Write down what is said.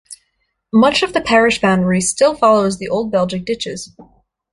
Much of the parish boundary still follows the old Belgic ditches.